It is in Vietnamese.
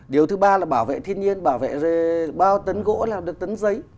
điều thứ ba là bảo vệ thiên nhiên bảo vệ bao tấn gỗ làm được tấn giấy